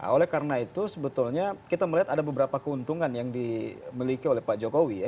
oleh karena itu sebetulnya kita melihat ada beberapa keuntungan yang dimiliki oleh pak jokowi ya